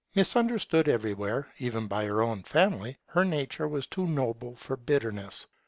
Misunderstood everywhere, even by her own family, her nature was far too noble for bitterness.